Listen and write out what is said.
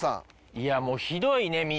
いやもうひどいねみんな。